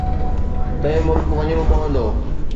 ٻئي ملڪ وڃڻو پوندو